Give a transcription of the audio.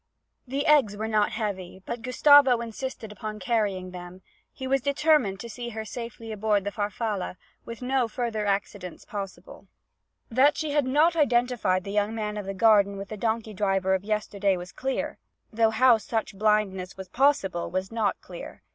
The eggs were not heavy, but Gustavo insisted upon carrying them; he was determined to see her safely aboard the Farfalla, with no further accidents possible. That she had not identified the young man of the garden with the donkey driver of yesterday was clear though how such blindness was possible, was not clear.